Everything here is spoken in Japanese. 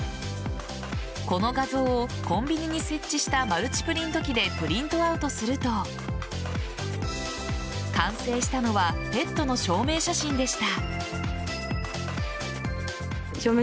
この画像をコンビニに設置したマルチプリント機でプリントアウトすると完成したのはペットの証明写真でした。